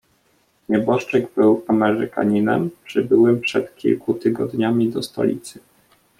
"Nieboszczyk był Amerykaninem, przybyłym przed kilku tygodniami do stolicy."